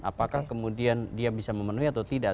apakah kemudian dia bisa memenuhi atau tidak